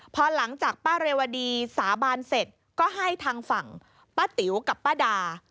พอหลังจากป้าเรวดีสาบานเสร็จก็ให้ทางฝั่งป้าติ๋วกับป้าดา